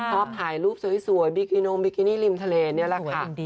ถ่ายรูปสวยบิกินงบิกินี่ริมทะเลนี่แหละค่ะ